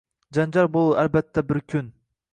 Janjal bo’lur albatta bir qur.